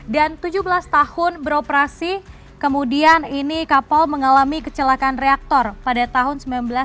dan tujuh belas tahun beroperasi kemudian ini kapal mengalami kecelakaan reaktor pada tahun seribu sembilan ratus sembilan puluh